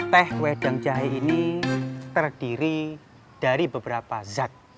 teh wedang jahe ini terdiri dari beberapa zat